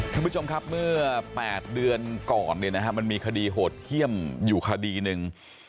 ท่านผู้ชมครับเมื่อ๘เดือนก่อนมันมีคดีโหดเยี่ยมอยู่คดีหนึ่ง